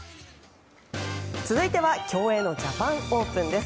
続いては競泳のジャパンオープンです。